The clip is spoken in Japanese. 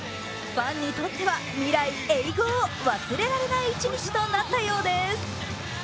ファンにとっては未来エイゴー、忘れられない一日となったようです。